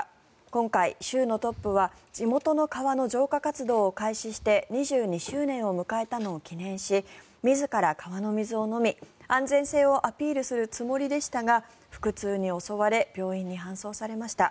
今回、州のトップは地元の川の浄化活動を開始して２２周年を迎えたのを記念し自ら川の水を飲み、安全性をアピールするつもりでしたが腹痛に襲われ病院に搬送されました。